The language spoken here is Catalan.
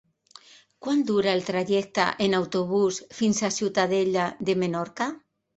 Quant dura el trajecte en autobús fins a Ciutadella de Menorca?